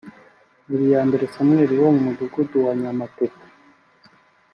Habiyambere Samuel wo mu mudugudu wa Nyamatete